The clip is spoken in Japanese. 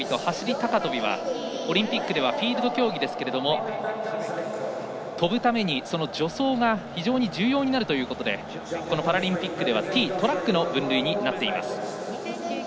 高跳びはオリンピックではフィールド競技ですけども跳ぶために助走が非常に重要になるということでパラリンピックではＴ、トラックの分類です。